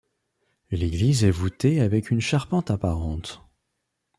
L'église est voûtée avec une charpente apparente.